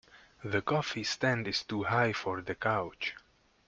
The coffee stand is too high for the couch.